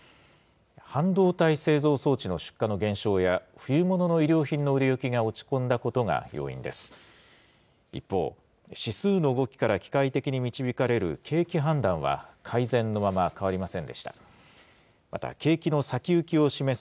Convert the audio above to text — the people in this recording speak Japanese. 半導体製造装置の出荷の減少や、冬物の衣料品の売れ行きが落ち込んだことが要因です。